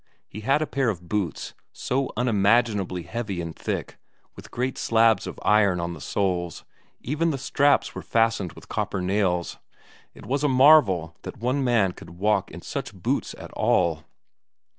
He had a pair of boots, so unimaginably heavy and thick, with great slabs of iron on the soles, even the straps were fastened with copper nails it was a marvel that one man could walk in such boots at all.